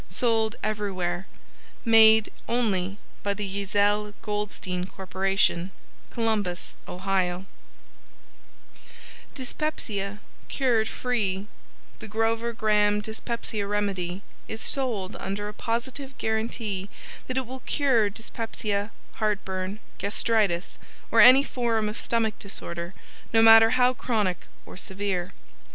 Sold everywhere. Made only by THE YEAZELL GOLDSTEIN CORPORATION Columbus, Ohio Dyspepsia Cured Free The Grover Graham Dyspepsia Remedy is sold under a positive guarantee that it will cure dyspepsia, heartburn, gastritis or any form of stomach disorder, no matter how chronic or severe.